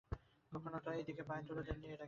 কখনো তো এদিকে পায়ের ধুলো দেন নি এর আগে!